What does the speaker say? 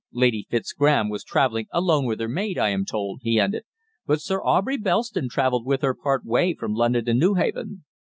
Lady Fitzgraham was travelling alone with her maid, I am told," he ended, "but Sir Aubrey Belston travelled with her part way from London to Newhaven."